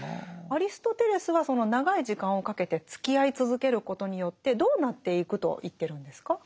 アリストテレスはその長い時間をかけてつきあい続けることによってどうなっていくと言ってるんですか？